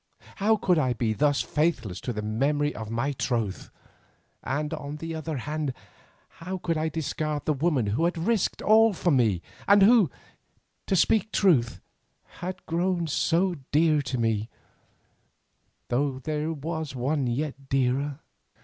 How could I be thus faithless to her memory and my troth, and on the other hand, how could I discard the woman who had risked all for me, and who, to speak truth, had grown so dear to me, though there was one yet dearer?